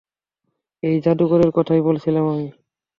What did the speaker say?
এই জাদুকরের কথাই বলছিলাম আমি।